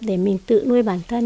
để mình tự nuôi bản thân